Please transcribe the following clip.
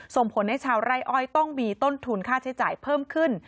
ส่งผลให้ชาวไร่อ้อยต้องมีต้นทุนค่าใช้จ่ายเพิ่มขึ้น